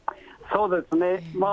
そうですね。